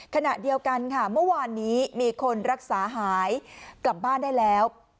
ขณะเดียวกันค่ะเมื่อวานนี้มีคนรักษาหายกลับบ้านได้แล้ว